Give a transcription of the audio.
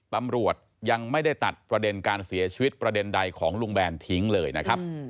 ตำรวจยังไม่ได้ตัดประเด็นการเสียชีวิตประเด็นใดของลุงแบนทิ้งเลยนะครับ